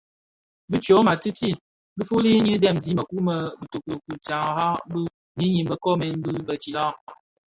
Bi tyoma tïti dhifuli nyi dhemzi mëkuu më bïtoki tara bi ňyinim bë nkoomen bii bë tsilag.